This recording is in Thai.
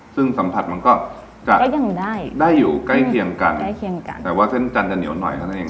ซึ่งสัมผัสมัยก็จะได้อยู่ใกล้เคียงกันแต่ว่าเส้นจันทร์จะเหนียวหน่อยแล้วนั่นเอง